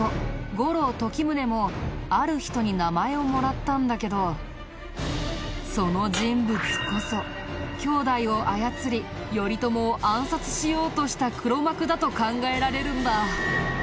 五郎時致もある人に名前をもらったんだけどその人物こそ兄弟を操り頼朝を暗殺しようとした黒幕だと考えられるんだ。